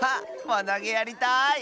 わなげやりたい！